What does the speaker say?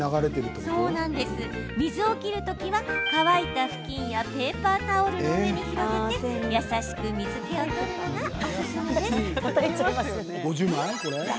水を切るときは、乾いた布巾やペーパータオルの上に広げて優しく水けを取るのがおすすめです。